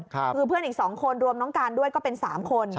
คือเพื่อนอีก๒คนรวมน้องการด้วยก็เป็น๓คน